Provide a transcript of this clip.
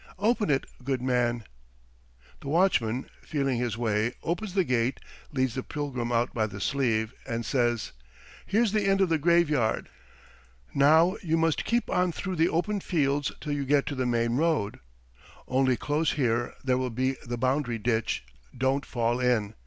Open it, good man." The watchman, feeling his way, opens the gate, leads the pilgrim out by the sleeve, and says: "Here's the end of the graveyard. Now you must keep on through the open fields till you get to the main road. Only close here there will be the boundary ditch don't fall in.